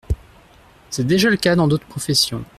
C’est déjà le cas dans d’autres professions.